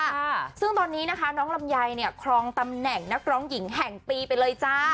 ค่ะซึ่งตอนนี้นะคะน้องลำไยเนี่ยครองตำแหน่งนักร้องหญิงแห่งปีไปเลยจ้า